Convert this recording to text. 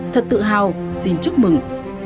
thật tự hào xin chúc mừng